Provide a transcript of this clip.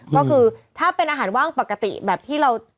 ก็คือถ้าเป็นอาหารว่างปกติแบบที่เรา